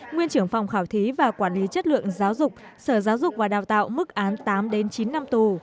nguyên trưởng phòng khảo thí và quản lý chất lượng giáo dục sở giáo dục và đào tạo mức án tám đến chín năm tù